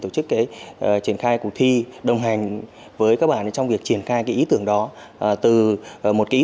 tổ chức triển khai cuộc thi đồng hành với các bạn trong việc triển khai cái ý tưởng đó từ một cái ý